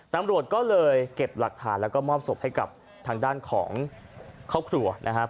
ตำรวจก็เลยเก็บหลักฐานแล้วก็มอบศพให้กับทางด้านของครอบครัวนะครับ